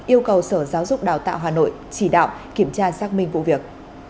yêu cầu sở giáo dục đào tạo hà nội chỉ đạo kiểm tra xác minh vụ việc